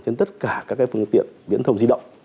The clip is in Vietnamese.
trên tất cả các phương tiện viễn thông di động